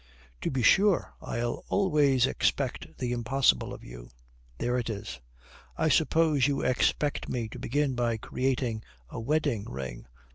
"To be sure, I'll always expect the impossible of you." "There it is. I suppose you expect me to begin by creating a wedding ring."